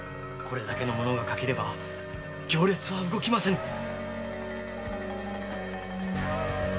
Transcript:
これだけの者が欠ければ行列は動きませぬ。